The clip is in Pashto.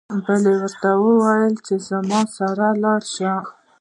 بل ورته وايي چې زما سره لاړ شه.